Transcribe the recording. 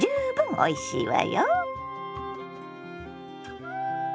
おいしいわ！